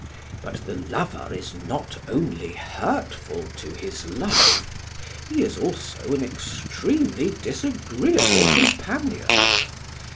But the lover is not only hurtful to his love; he is also an extremely disagreeable companion.